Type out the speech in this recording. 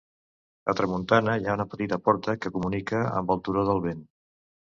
A tramuntana, hi ha una petita porta que comunica amb el Turó del Vent.